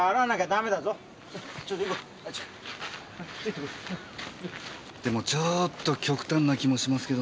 でもちょーっと極端な気もしますけどね。